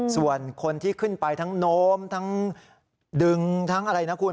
ส่วนคนที่ขึ้นไปทั้งโน้มทั้งดึงทั้งอะไรนะคุณ